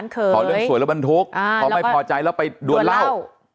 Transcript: ขอเรื่องสวยรถบรรทุกพอไม่พอใจแล้วไปดวนเหล้า